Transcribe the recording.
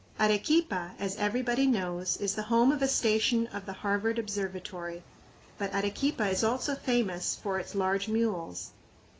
Arequipa, as everybody knows, is the home of a station of the Harvard Observatory, but Arequipa is also famous for its large mules.